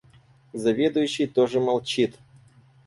Заведующий тоже молчит.